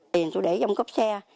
tiền tôi để trong cốp xe